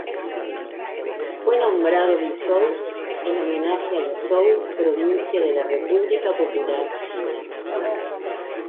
Fue nombrado Guizhou en homenaje a Guizhou provincia de la República Popular China.